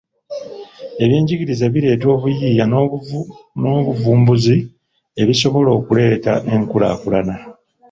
Eby'enjigiriza bireeta obuyiiya n'obuvumbuzi ebisobola okuleeta enkulaakulana.